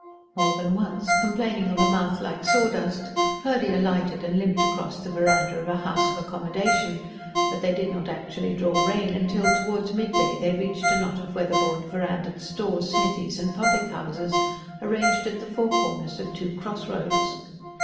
More than once, complaining of a mouth like sawdust, Purdy alighted and limped across the verandah of a house of accommodation; but they did not actually draw rein till, towards midday, they reached a knot of weatherboard verandahed stores, smithies and public houses, arranged at the four Corners of two cross roads.